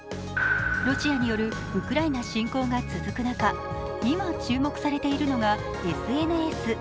ロシアによるウクライナ侵攻が続く中、今、注目されているのがＳＮＳ。